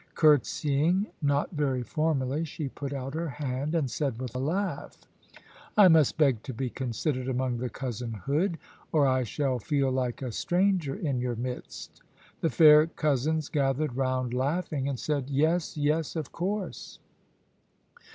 Courtesying, not very formally, she put out her hand, and said with a laugh "I must beg to be considered among the cousinhood, or I shall feel like a stranger in your midst." The fair cousins gathered round laughing, and said, "Yes! yes! of course!"